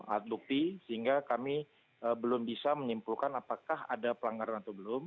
alat bukti sehingga kami belum bisa menyimpulkan apakah ada pelanggaran atau belum